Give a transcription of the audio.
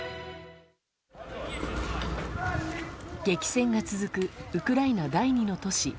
激戦が続くウクライナ第２の都市